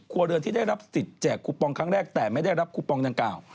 ครัวเรือนที่ได้รับสิทธิ์แจกคูปองครั้งแรกแต่ไม่ได้รับคูปองดังกล่าว